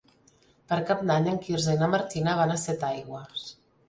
Per Cap d'Any en Quirze i na Martina van a Setaigües.